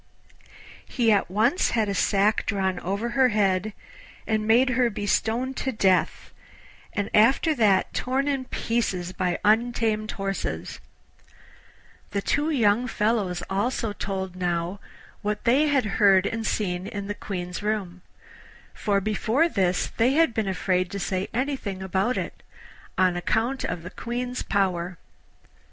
He at once had a sack drawn over her head and made her be stoned to death, and after that torn in pieces by untamed horses. The two young fellows also told now what they had heard and seen in the Queen's room, for before this they had been afraid to say anything about it, on account of the Queen's power.